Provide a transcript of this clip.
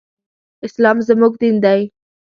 اسلام زموږ دين دی.